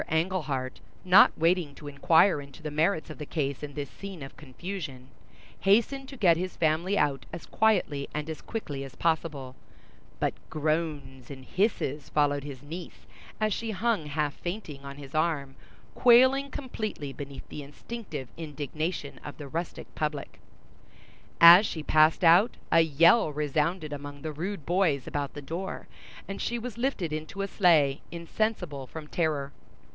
Englehart, not waiting to inquire into the merits of the case in this scene of confusion, hastened to get his family out as quietly and as quickly as possible, but groans and hisses followed his niece as she hung half fainting on his arm, quailing completely beneath the instinctive indignation of the rustic public. As she passed out, a yell resounded among the rude boys about the door, and she was lifted into a sleigh, insensible from terror.